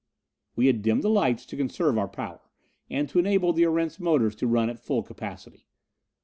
We had dimmed the lights to conserve our power, and to enable the Erentz motors to run at full capacity.